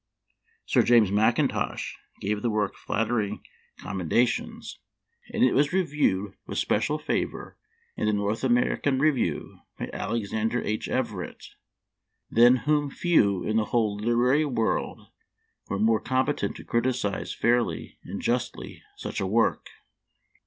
Sir James Mack intosh gave the work flattering commendations, Memoir of Washington Irving. 157 and it was reviewed with special favor in the North American Review by Alexander H. Ev erett, than whom few in the whole literary world were more competent to criticise fairly and justly such a work.